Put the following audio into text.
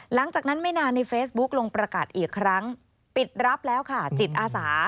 หลังจากนั้นไม่นานในเฟซบุ๊คลงประกาศอีกครั้งปิดรับแล้วค่ะจิตอาสา